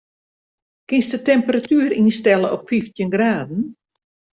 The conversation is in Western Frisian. Kinst de temperatuer ynstelle op fyftjin graden?